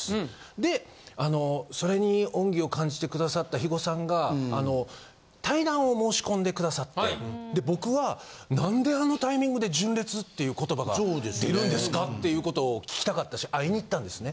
でそれに恩義を感じてくださった肥後さんがあの対談を申し込んでくださって僕は何であのタイミングで純烈っていう言葉が出るんですかっていうことを聞きたかったし会いに行ったんですね。